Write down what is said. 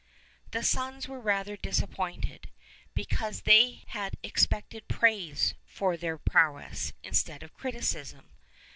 The sons were rather disappointed, be cause they had expected praise for their prowess, instead of criticism.